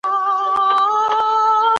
خدای انسان ته د مځکي واک سپارلی دی.